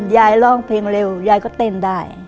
ร้องเพลงเร็วยายก็เต้นได้